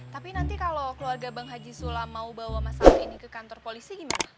tapi nanti kalau keluarga bang haji sula mau bawa masalah ini ke kantor polisi gimana